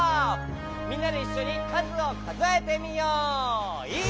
みんなでいっしょにかずをかぞえてみよう。